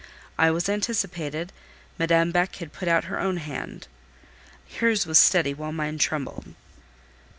I was anticipated; Madame Beck had put out her own hand: hers was steady while mine trembled.